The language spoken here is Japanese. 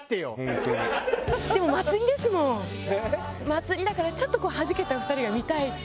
えっ？祭りだからちょっとこうはじけたお二人が見たい。